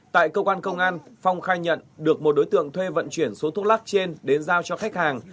tại cơ quan công an phong khai nhận được một đối tượng thuê vận chuyển số thuốc lá trên đến giao cho khách hàng